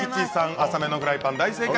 浅めのフライパン、大正解。